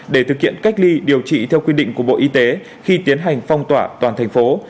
để thực hiện cách ly điều trị theo quy định của bộ y tế khi tiến hành phong tỏa toàn thành phố